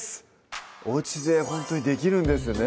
おうちでほんとにできるんですね